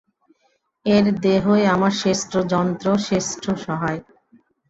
এই দেহই আমার শ্রেষ্ঠ যন্ত্র, শ্রেষ্ঠ সহায়।